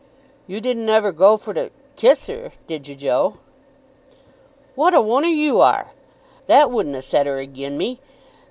"You didn't ever go for to kiss her, did you, Joe?" "What a one'er you are! That wouldn't 'a set her again me.